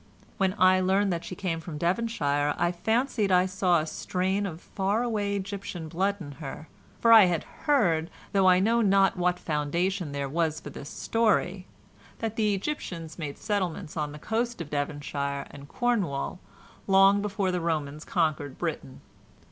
When I learned that she came from Devonshire I fancied I saw a strain of far away Egyptian blood in her, for I had heard, though I know not what foundation there was for the story, that the Egyptians made settlements on the coast of Devonshire and Cornwall long before the Romans conquered Britain.